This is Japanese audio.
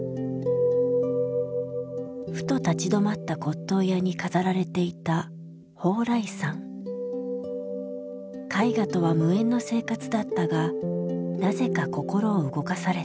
ふと立ち止まった骨とう屋に飾られていた絵画とは無縁の生活だったがなぜか心を動かされた。